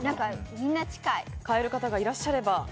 変える方がいらっしゃれば。